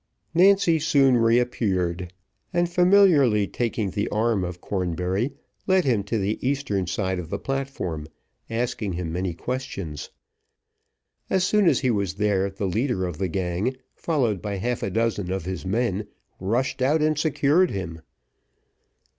Nancy soon re appeared, and familiarly taking the arm of Cornbury, led him to the eastern side of the platform, asking him many questions. As soon as he was there, the leader of the gang, followed by half a dozen of his men, rushed out and secured him.